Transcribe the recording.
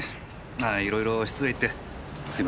あいろいろ失礼言ってすみませんでした。